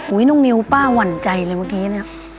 น้องนิวป้าหวั่นใจเลยเมื่อกี้เนี่ย